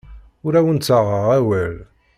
Ur awen-ttaɣeɣ awal.